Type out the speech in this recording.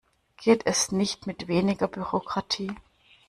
Geht es nicht mit weniger Bürokratie?